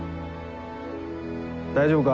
大丈夫か？